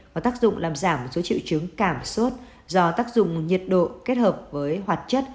có tác dụng làm giảm một số triệu chứng cảm sốt do tác dụng nhiệt độ kết hợp với hoạt chất